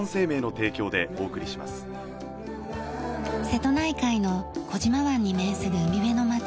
瀬戸内海の児島湾に面する海辺の街